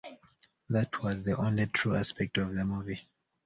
That was the only true aspect of the movie.